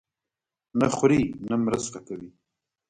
نه خوري، نه مرسته کوي.